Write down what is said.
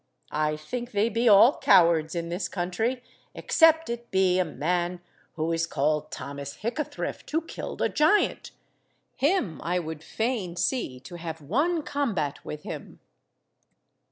I think they be all cowards in this country, except it be a man who is called Thomas Hickathrift who killed a giant. Him I would fain see to have one combat with him."